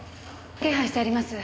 手配してあります。